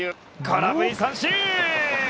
空振り三振！